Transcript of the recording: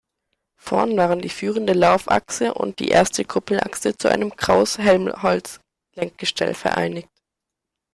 Vorn waren die führende Laufachse und die erste Kuppelachse zu einem Krauss-Helmholtz-Lenkgestell vereinigt.